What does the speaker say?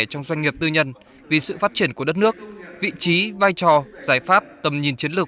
trong doanh nghiệp tư nhân vì sự phát triển của đất nước vị trí vai trò giải pháp tầm nhìn chiến lược